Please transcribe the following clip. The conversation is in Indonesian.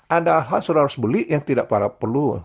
ada alat saudara harus beli yang tidak para perlu